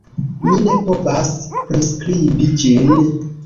Mi ne povas priskribi ĝin.